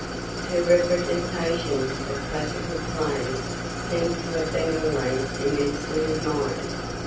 Her representations of classical plays seem to have been always immensely admired.